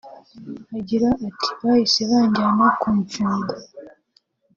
Agira ati “Bahise banjyana kumfunga